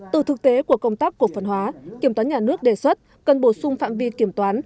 từ thực tế của công tác cổ phần hóa kiểm toán nhà nước đề xuất cần bổ sung phạm vi kiểm toán